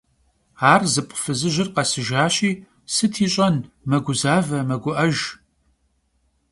Ar zıp' fızıjır khesıjjaşi, sıt yiş'en, meguzave, megu'ejj.